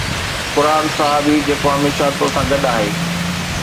قرآن: صحابي، جيڪو هميشه توسان گڏ آهي